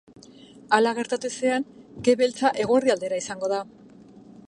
Hala gertatu ezean, ke beltza eguerdi aldera izango da.